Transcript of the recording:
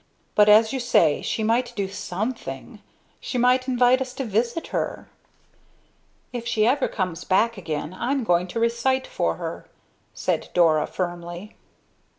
But, as you say, she might do something. She might invite us to visit her." "If she ever comes back again, I'm going to recite for her," said, Dora, firmly.